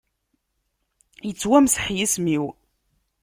Ittwamseḥ yism-iw.